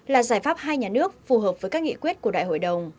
là giải pháp hai nhà nước phù hợp với các nghị quyết của đại hội đồng